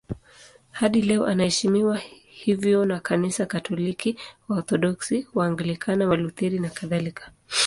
Hadi leo anaheshimiwa hivyo na Kanisa Katoliki, Waorthodoksi, Waanglikana, Walutheri nakadhalika.